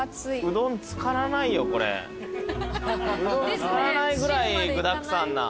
うどん漬からないぐらい具だくさんな。